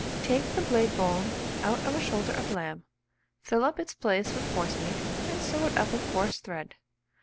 Take the blade bone out of a shoulder of lamb, fill up its place with forcemeat, and sew it up with coarse thread.